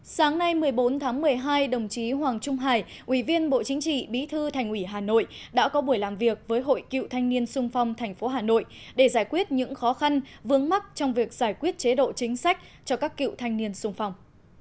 sáng nay một mươi bốn tháng một mươi hai đồng chí hoàng trung hải ủy viên bộ chính trị bí thư thành ủy hà nội đã có buổi làm việc với hội cựu thanh niên sung phong tp hà nội để giải quyết những khó khăn vướng mắt trong việc giải quyết chế độ chính sách cho các cựu thanh niên sung phong